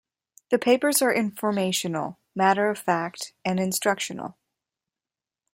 The papers are informational, matter-of-fact, and instructional.